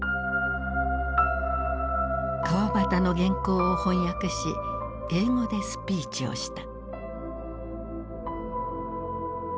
川端の原稿を翻訳し英語でスピーチをした。